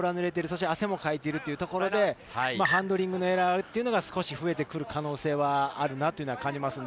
汗もかいているということで、ハンドリングのエラーが少し増えてくる可能性があると感じます。